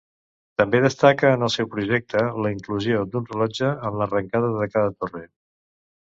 També destaca en el seu projecte la inclusió d'un rellotge en l'arrencada de cada torre.